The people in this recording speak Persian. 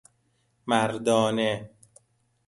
مردانه